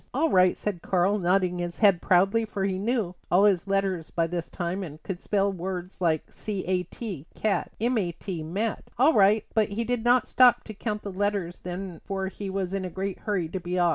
"All right," said Karl, nodding his head proudly, for he knew all his letters by this time and could spell hard words like c a t, cat, m a t, mat. "All right," but he did not stop to count the letters then for he was in a great hurry to be off.